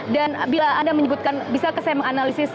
dan bila anda menyebutkan bisakah saya menganalisis